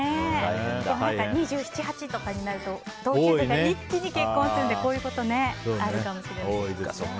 ２７２８とかになると同級生が一気に結婚するのでこういうことあるかもしれないですね。